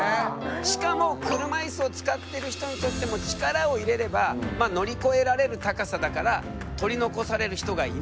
しかも車いすを使ってる人にとっても力を入れればまあ乗り越えられる高さだからへえ。